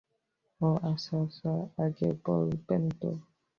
ও, আচ্ছা আচ্ছা, আগে বলবেন তো।